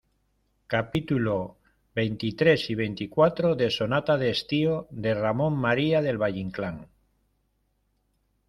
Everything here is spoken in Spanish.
capítulos veintitrés y veinticuatro de Sonata de Estío, de Ramón María del Valle-Inclán.